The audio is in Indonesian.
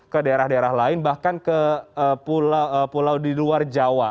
ke daerah daerah lain bahkan ke pulau di luar jawa